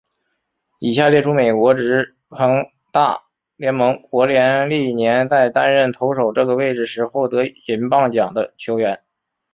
以下列出美国职棒大联盟国联历年在担任投手这个位置时获得银棒奖的球员。